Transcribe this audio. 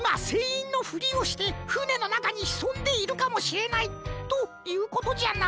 いんのふりをしてふねのなかにひそんでいるかもしれないということじゃな？